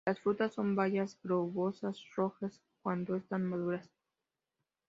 Las frutas son bayas globosas, rojas cuando están maduras.